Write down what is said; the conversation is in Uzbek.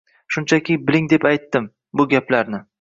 Shunchaki, biling deb aytdim, bu gaplarni